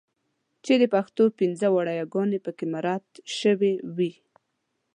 چې د پښتو پنځه واړه یګانې پکې مراعات شوې وي.